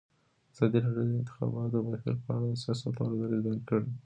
ازادي راډیو د د انتخاباتو بهیر په اړه د سیاستوالو دریځ بیان کړی.